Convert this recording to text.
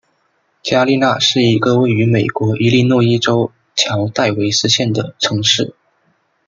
加利纳是一个位于美国伊利诺伊州乔戴维斯县的城市。